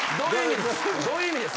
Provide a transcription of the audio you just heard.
どういう意味です？